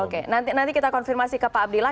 oke nanti kita konfirmasi ke pak abdillah